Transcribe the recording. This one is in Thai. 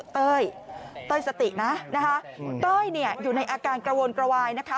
เต้ยสตินะคะเต้ยอยู่ในอาการกระวนกระวายนะคะ